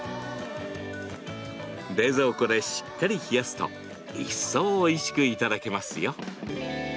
冷蔵庫でしっかり冷やすと一層おいしくいただけますよ。